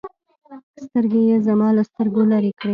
سترگې يې زما له سترگو لرې کړې.